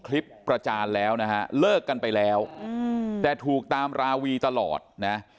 ประจานแล้วนะฮะเลิกกันไปแล้วแต่ถูกตามราวีตลอดนะ